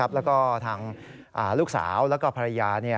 แล้วก็ทางลูกสาวแล้วก็ภรรยา